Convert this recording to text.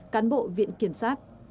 cán bộ viện kiểm soát